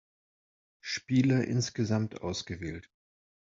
Spieler insgesamt ausgewählt.